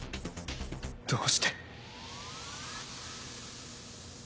どうして。